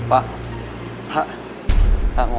moral lalat quasi di tabung energetic